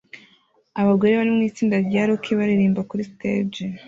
Abagore bari mu itsinda rya rock baririmbira kuri stage